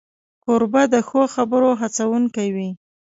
کوربه د ښو خبرو هڅونکی وي.